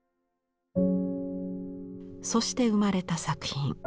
そして生まれた作品。